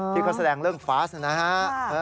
ที่เขาแสดงเรื่องฟาสนะฮะ